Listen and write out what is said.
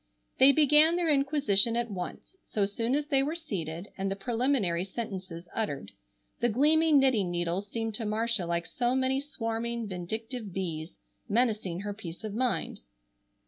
They began their inquisition at once, so soon as they were seated, and the preliminary sentences uttered. The gleaming knitting needles seemed to Marcia like so many swarming, vindictive bees, menacing her peace of mind.